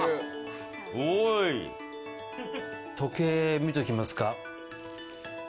時計、見ておきますか。